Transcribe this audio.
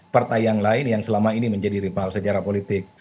partai yang lain yang selama ini menjadi rival sejarah politik